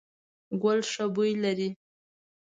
ګل ښه بوی لري ….